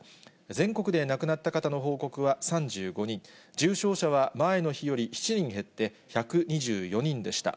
全国で亡くなった方の報告は３５人、重症者は前の日より７人減って１２４人でした。